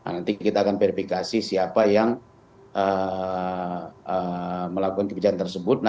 nanti kita akan verifikasi siapa yang melakukan kebijakan tersebut